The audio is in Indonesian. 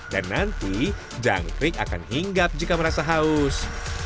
dan nanti jangkrik akan hinggap jika merasa haus